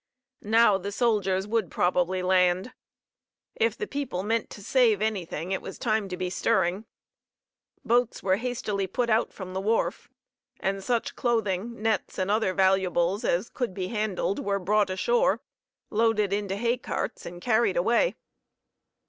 Now the soldiers would probably land. If the people meant to save anything it was time to be stirring. Boats were hastily put out from the wharf, and such clothing, nets and other valuables as could be handled were brought ashore, loaded into hay carts, and carried away.